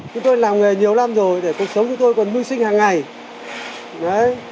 chúng tôi làm nghề nhiều năm rồi để cuộc sống chúng tôi còn mưu sinh hàng ngày